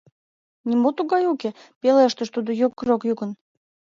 — Нимо тугай уке, — пелештыш тудо йокрок йӱкын.